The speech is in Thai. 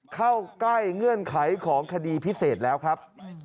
เข้าใกล้เงื่อนไขของคดีพิเศษแล้วครับ